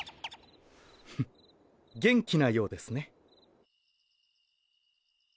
ふっ元気なようですね！